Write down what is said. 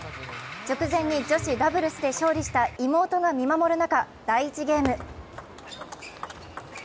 直前に女子ダブルスで勝利した妹が見守る中、第１ゲーム。